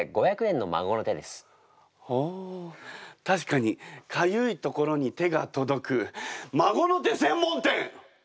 確かにかゆいところに手が届く孫の手専門店！